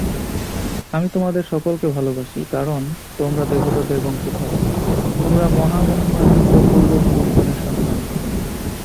আমি তোমাদের সকলকে ভালবাসি, কারণ তোমরা দেবতাদের বংশধর, তোমরা মহামহিমান্বিত পূর্বপুরূষগণের সন্তান।